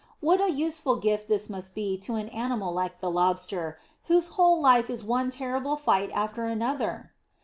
What a useful gift this must be to an animal like the Lobster, whose whole life is one terrible fight after another!